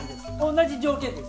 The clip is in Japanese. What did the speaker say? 同じ条件です。